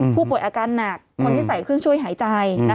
ผู้ป่วยอาการหนักคนที่ใส่เครื่องช่วยหายใจ